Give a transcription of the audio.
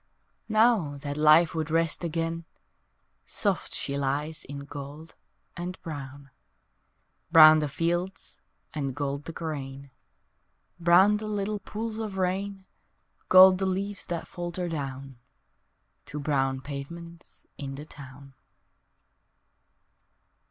Now that life would rest again Soft she lies in gold and brown, Brown the fields and gold the grain, Brown the little pools of rain, Gold the leaves that falter down To brown pavements in the town.